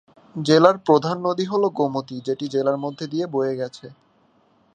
জেলার প্রধান নদী হল গোমতী, যেটি জেলার মধ্যে দিয়ে বয়ে গেছে।